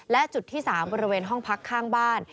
และจุดที่๓บริเวณห้องพักข้างบ้าน